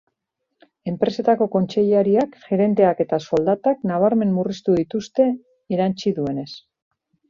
Enpresetako kontseilariak, gerenteak eta soldatak nabarmen murriztu dituzte, erantsi duenez.